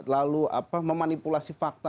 lalu memanipulasi fakta